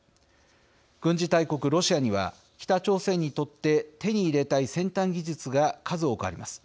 軍事大国ロシアには北朝鮮にとって手に入れたい先端技術が数多くあります。